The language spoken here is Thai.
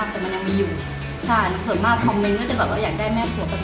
ใช่หน่าที่มาทำคอมเม้นท์จะอยากได้แม่ป่วกัน